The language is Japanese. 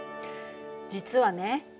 実はね